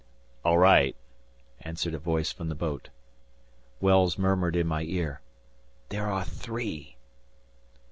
"All right," answered a voice from the boat. Wells murmured in my ear, "There are three!"